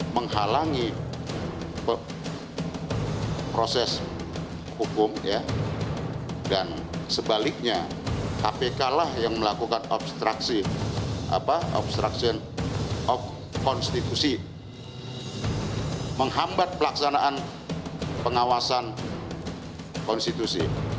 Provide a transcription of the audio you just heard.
menghambat pelaksanaan pengawasan konstitusi